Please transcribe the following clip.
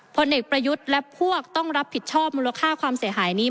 ผลเอกประยุทธ์และพวกต้องรับผิดชอบมูลค่าความเสียหายนี้